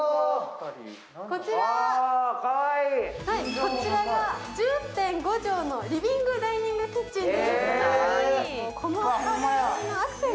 こちらが１０．５畳のリビングダイニングキッチンです。